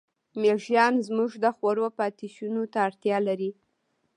مېږیان زموږ د خوړو پاتېشونو ته اړتیا لري.